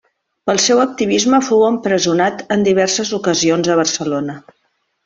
Pel seu activisme fou empresonat en diverses ocasions a Barcelona.